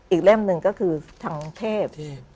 เล่มหนึ่งก็คือทางเทพ